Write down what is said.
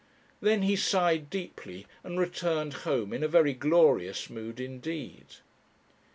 Then he sighed deeply and returned home in a very glorious mood indeed.